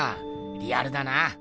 リアルだな。